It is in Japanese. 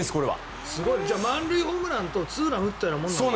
満塁ホームランとツーランを打ったようなものなんだ